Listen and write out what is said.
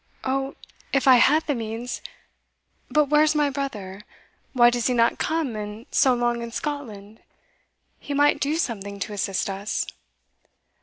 O if I had the means! But where's my brother? why does he not come, and so long in Scotland? He might do something to assist us."